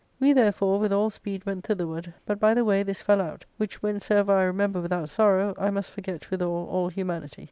We therefore with all speed went thitherward ; but by the way this fell out, which whensoever I remember without sorrow^ I must forget withal all humanity.